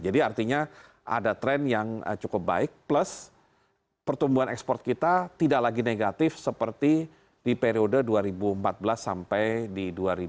jadi artinya ada tren yang cukup baik plus pertumbuhan ekspor kita tidak lagi negatif seperti di periode dua ribu empat belas sampai di dua ribu enam belas